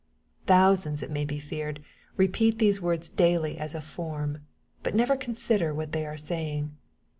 Thousands, it may be feared, repeat these words daily as a form, but never consider what they are saying.